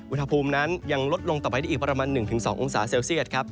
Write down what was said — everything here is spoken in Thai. อุณหภูมินั้นยังลดลงต่อไปได้อีกประมาณ๑๒องศาเซลเซียตครับ